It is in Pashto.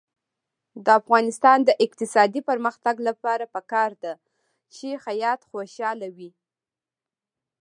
د افغانستان د اقتصادي پرمختګ لپاره پکار ده چې خیاط خوشحاله وي.